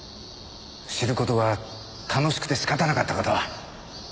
知る事が楽しくて仕方なかった事は？